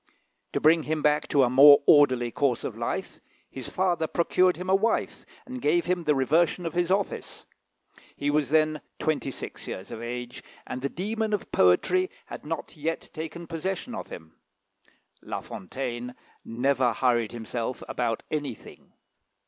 To bring him back to a more orderly course of life, his father procured him a wife, and gave him the reversion of his office. He was then twenty six years of age, and the demon of poetry had not yet taken possession of him. La Fontaine never hurried himself about anything.